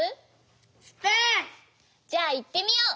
じゃあいってみよう。